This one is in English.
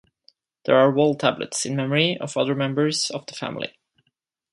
There are wall tablets in memory of other members of the family.